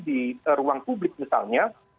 di ruang publik misalnya